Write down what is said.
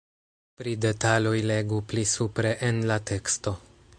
Pri detaloj legu pli supre en la teksto.